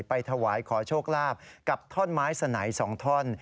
ไปถวายขอโชคลาภกับท่อนไม้สนัย๒ท่อน